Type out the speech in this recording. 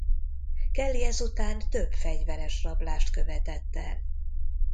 Kelly ezután több fegyveres rablást követett el.